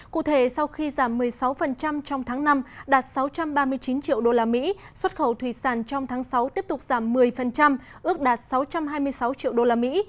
cụ thể sau khi giảm một mươi sáu trong tháng năm đạt sáu trăm ba mươi chín triệu đô la mỹ xuất khẩu thủy sản trong tháng sáu tiếp tục giảm một mươi ước đạt sáu trăm hai mươi sáu triệu đô la mỹ